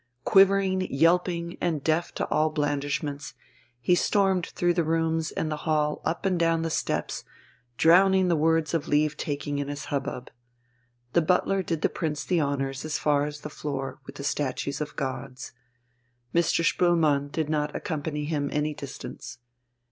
Quivering, yelping, and deaf to all blandishments, he stormed through the rooms and the hall and up and down the steps, drowning the words of leave taking in his hubbub. The butler did the Prince the honours as far as the floor with the statues of gods. Mr. Spoelmann did not accompany him any distance.